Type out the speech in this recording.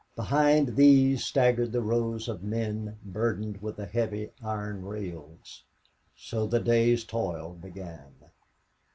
Behind these staggered the rows of men burdened with the heavy iron rails. So the day's toil began.